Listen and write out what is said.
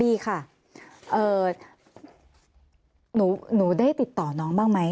ดีค่ะหนูได้ติดต่อน้องบ้างไหม